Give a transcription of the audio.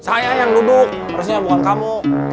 saya yang duduk harusnya bukan kamu